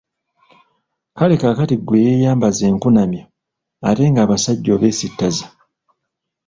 Kale kaakati ggwe eyeeyambaza enkunamyo, ate nga abasajja obeesittaza!